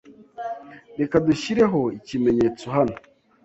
Reka dushyireho ikimenyetso hano.